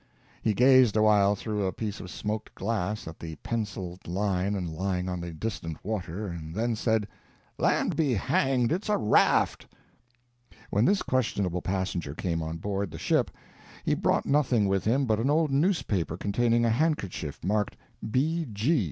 He gazed awhile through a piece of smoked glass at the penciled line lying on the distant water, and then said: "Land be hanged it's a raft!" When this questionable passenger came on board the ship, he brought nothing with him but an old newspaper containing a handkerchief marked "B. G.